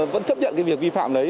vẫn chấp nhận cái việc vi phạm đấy